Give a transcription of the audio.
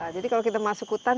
jadi kalau kita masuk hutan